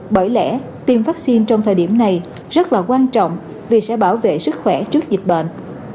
bởi lẽ tiêm vaccine trong thời điểm này rất là quan trọng vì sẽ bảo vệ sức khỏe trước dịch bệnh